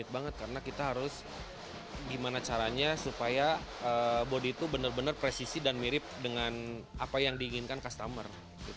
benar benar presisi dan mirip dengan apa yang diinginkan customer